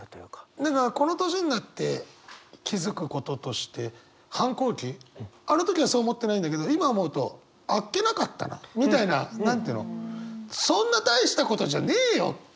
何かこの年になって気付くこととして反抗期あの時はそう思ってないんだけど今思うとあっけなかったなみたいな何て言うのそんな大したことじゃねえよって